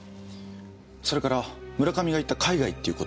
それから村上が言った「海外」っていう言葉。